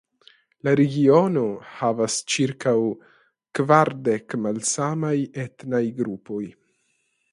La regiono havas ĉirkaŭ kvardek malsamaj etnaj grupoj.